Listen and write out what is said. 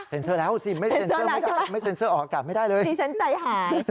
เซ็นเซอร์แล้วสิเซ็นเซอร์แล้วใช่ไหมไม่เซ็นเซอร์ออกกลับไม่ได้เลยที่ฉันใจหาย